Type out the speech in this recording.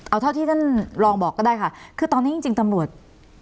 เอาเท่าที่ท่านรองบอกก็ได้ค่ะคือตอนนี้จริงตำรวจ